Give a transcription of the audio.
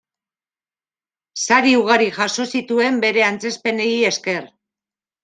Sari ugari jaso zituen bere antzezpenei esker.